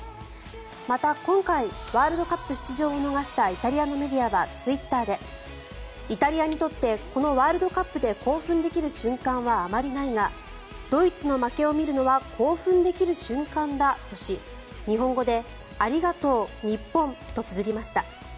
また、今回ワールドカップ出場を逃したイタリアのメディアはツイッターでイタリアにとってこのワールドカップで興奮できる瞬間はあまりないがドイツの負けを見るのは興奮できる瞬間だとし日本語でありがとう日本とつづりました。